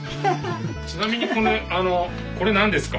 ちなみにこれこれ何ですか？